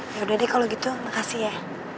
ya udah deh kalau gitu makasih ya